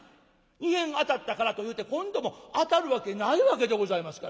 ２へん当たったからというて今度も当たるわけないわけでございますから。